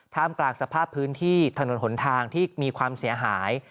กลางสภาพพื้นที่ถนนหนทางที่มีความเสียหาย